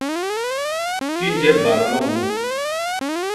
Kinje badlok nu!